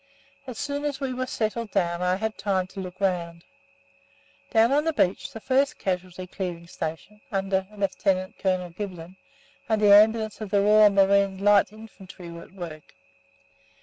As soon as we were settled down I had time to look round. Down on the beach the 1st Casualty Clearing Station (under Lieutenant Colonel Giblin) and the Ambulance of the Royal Marine Light Infantry were at work.